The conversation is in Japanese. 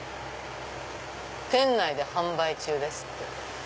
店内で販売中ですって。